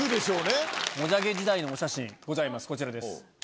もじゃげ時代のお写真ございますこちらです。